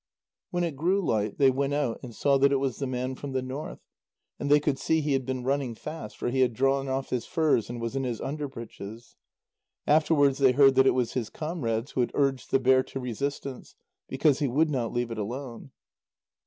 When it grew light, they went out and saw that it was the man from the north, and they could see he had been running fast, for he had drawn off his furs, and was in his underbreeches. Afterwards they heard that it was his comrades who had urged the bear to resistance, because he would not leave it alone.